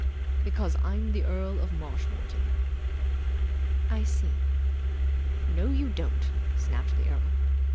"Because I'm the Earl of Marshmoreton." "I see." "No you don't," snapped the earl.